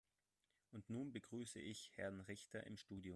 Und nun begrüße ich Herrn Richter im Studio.